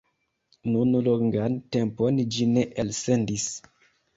Nun longan tempon ĝi ne elsendis.